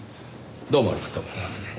どうもありがとう。